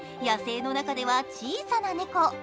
野生の中では小さな猫。